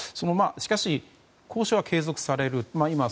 しかし、交渉は継続される。